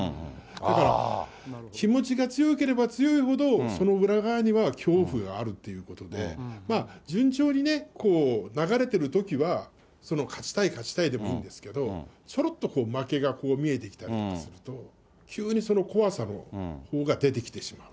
だから、気持ちが強ければ強いほど、その裏側には恐怖があるということで、順調に流れてるときは、その勝ちたい勝ちたいでもいいんですけど、ひょろっと負けが見えてきたりすると、急にその怖さのほうが出てきてしまう。